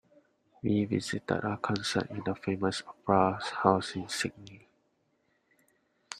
We visited a concert in the famous opera house in Sydney.